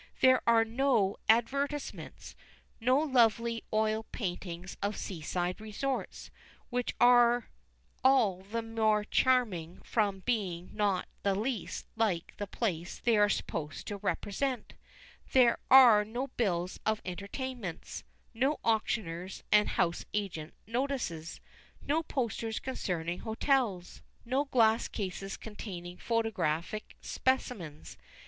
There are no advertisements, no lovely oil paintings of sea side resorts, which are all the more charming from being not the least like the place they are supposed to represent; there are no bills of entertainments; no auctioneers' and house agents' notices; no posters concerning hotels, nor glass cases containing photographic specimens.